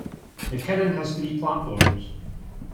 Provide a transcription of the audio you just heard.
McKinnon has three platforms.